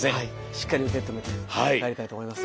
しっかり受け止めて帰りたいと思います。